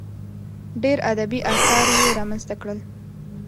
ډېر ادبي اثار یې رامنځته کړل.